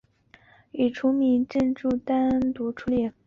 已除名建筑单独列出。